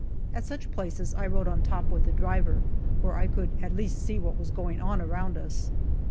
At such places I rode on top with the driver, where I could at least see what was going on around us.